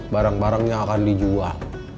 barang barang yang akan dijual